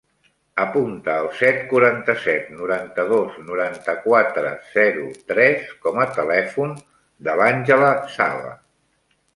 Apunta el set, quaranta-set, noranta-dos, noranta-quatre, zero, tres com a telèfon de l'Àngela Sava.